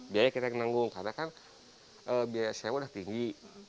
biaya kita menanggung karena kan biaya sewa udah tinggi